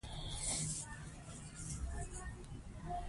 یو شېبه په طبیعت کې کتل فشار کموي.